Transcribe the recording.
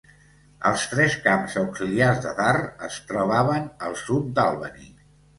Els tres camps auxiliars de Darr es trobaven al sud d'Albany.